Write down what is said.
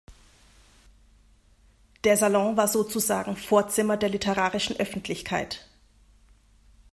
Der Salon war sozusagen „Vorzimmer der literarischen Öffentlichkeit“.